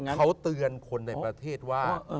เขาเตือนคนในประเทศว่า